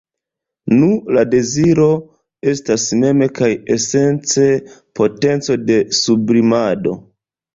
Nu, la deziro estas mem kaj esence potenco de sublimado.